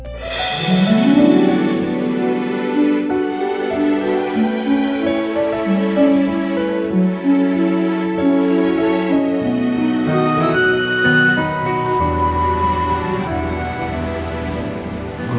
aku teringat pakai duit kamur